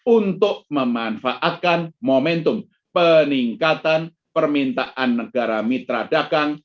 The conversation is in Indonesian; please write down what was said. untuk memanfaatkan momentum peningkatan permintaan negara mitra dagang